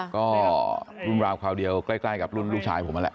ก็รุ่นราวคราวเดียวใกล้กับรุ่นลูกชายผมนั่นแหละ